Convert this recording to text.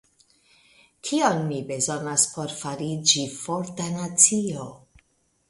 Kion ni bezonas por fariĝi forta nacio?